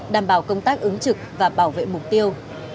đảm bảo công tác ứng trực và bảo vệ mục tiêu